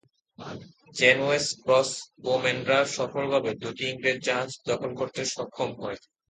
Genoese ক্রসবোম্যানরা সফলভাবে দুটি ইংরেজ জাহাজ দখল করতে সক্ষম হয়।